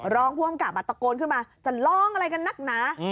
รองผู้อำกับตะโกนขึ้นมาจะร้องอะไรกันนักหนา